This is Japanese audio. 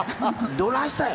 どないしたんや？